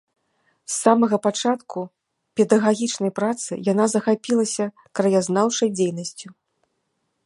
З самага пачатку педагагічнай працы яна захапілася краязнаўчай дзейнасцю.